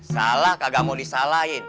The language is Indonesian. salah kagak mau disalahin